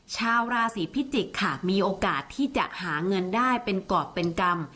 ชาวราศีพิจิกษ์ค่ะมีโอกาสที่จะหาเงินได้เป็นกรอบเป็นกรรม